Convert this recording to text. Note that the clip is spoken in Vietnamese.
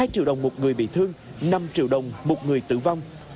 hai triệu đồng một người bị thương năm triệu đồng một người tử vong